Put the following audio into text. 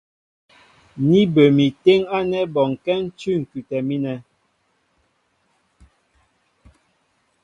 Ní bə mi téŋ ánɛ́ bɔnkɛ́ ń cʉ̂ ŋ̀kʉtɛ mínɛ.